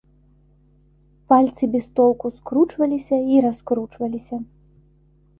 Пальцы без толку скручваліся і раскручваліся.